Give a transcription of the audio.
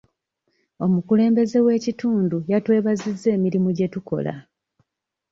Omukulembeze w'ekitundu yatwebazizza emirimu gye tukola.